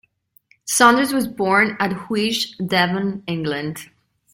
Saunders was born at Huish, Devon, England.